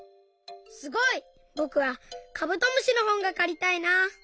すごい！ぼくはカブトムシのほんがかりたいな。